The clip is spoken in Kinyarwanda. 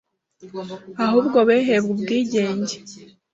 ehubwo behebwe ubwigenge